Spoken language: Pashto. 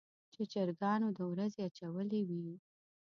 چې چرګانو د ورځې اچولې وي.